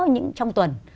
những trong tuần